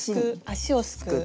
足をすくう。